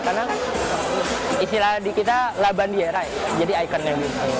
karena istilah di kita laban diere jadi ikonnya